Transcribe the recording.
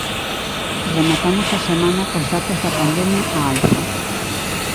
Rematamos a semana cos datos da pandemia á alza.